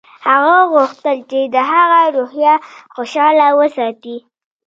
هغه غوښتل چې د هغه روحیه خوشحاله وساتي